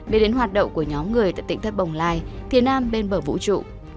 về đến hoạt động của nhóm người tại tỉnh thất bồng lai thiên nam bên bờ vũ trụ